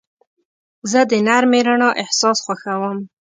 زه د نرمې رڼا احساس خوښوم.